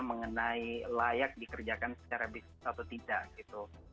mengenai layak dikerjakan secara bisnis atau tidak gitu